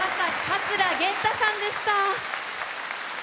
桂源太さんでした。